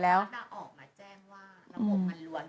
แล้วเอาออกมาแจ้งว่ามันล้วน